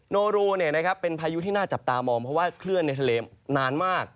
โนรูเป็นพายุที่น่าจับตามองเพราะว่าเคลื่อนในทะเลนานมาก